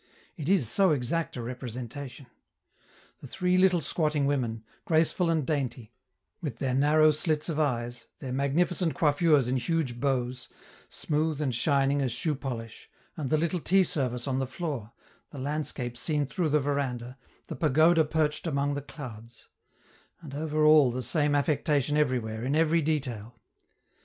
It is so exact a representation! The three little squatting women, graceful and dainty, with their narrow slits of eyes, their magnificent coiffures in huge bows, smooth and shining as shoe polish, and the little tea service on the floor, the landscape seen through the veranda, the pagoda perched among the clouds; and over all the same affectation everywhere, in every detail.